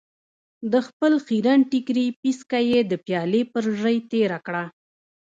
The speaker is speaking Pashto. د خپل خيرن ټکري پيڅکه يې د پيالې پر ژۍ تېره کړه.